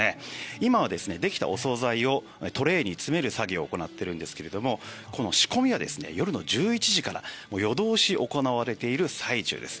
今は、できたお総菜をトレーに詰める作業を行っているんですけれども仕込みは夜の１１時から夜通し行われている最中です。